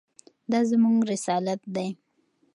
دا زموږ رسالت دی.